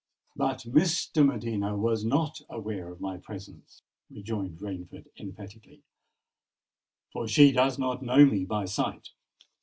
"But Miss de Medina was not aware of my presence," rejoined Rainford emphatically; "for she does not know me by sight!"